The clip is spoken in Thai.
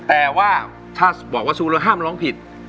แต่ว่าถ้าบอกว่าสู้แล้วห้ามร้องผิด